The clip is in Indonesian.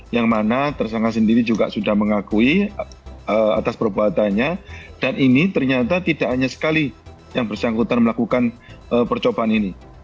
yang mana tersangka sendiri juga sudah mengakui atas perbuatannya dan ini ternyata tidak hanya sekali yang bersangkutan melakukan percobaan ini